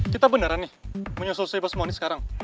kita beneran nih menyesal saya bos mondi sekarang